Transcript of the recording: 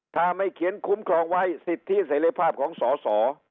ถ้าไม่เขียนคุ้มครองไว้สิทธิเสรีภาพของสอสอ